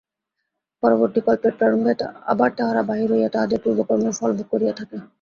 পরবর্তিকল্পের প্রারম্ভে আবার তাহারা বাহির হইয়া তাহাদের পূর্ব কর্মের ফলভোগ করিয়া থাকে।